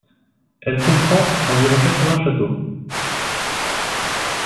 Elle comprend environ quatre-vingt châteaux.